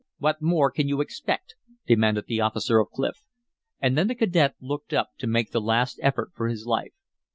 "What more can you expect?" demanded the officer of Clif. And then the cadet looked up to make the last effort for his life.